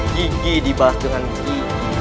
gigi dibalas dengan gigi